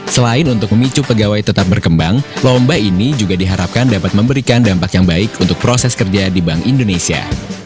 selain untuk memicu pegawai tetap berkembang lomba ini juga diharapkan dapat memberikan dampak yang baik untuk proses kerja di bank indonesia